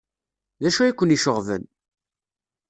D acu ay ken-iceɣben?